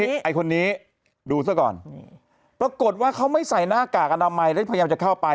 นี่ไอ้คนนี้ดูซะก่อนปรากฏว่าเขาไม่ใส่หน้ากากอนามัยแล้วพยายามจะเข้าไป